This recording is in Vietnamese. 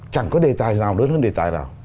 chẳng có đề tài nào lớn hơn đề tài nào